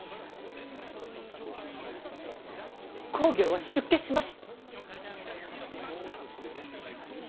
公暁は出家しました。